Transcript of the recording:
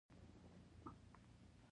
که چېرې تاسې کې د غوږ ایښودنې وړتیا شته وي